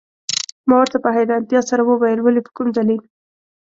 ما ورته په حیرانتیا سره وویل: ولي، په کوم دلیل؟